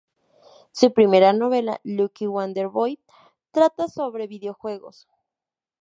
Su primera novela, "Lucky Wander Boy", trata sobre videojuegos.